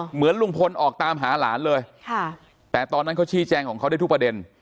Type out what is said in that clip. เหมือนลุงพลออกตามหาหลานเลยแต่ตอนนั้นเขาชี้แจงของเขาได้ทุกประเด็น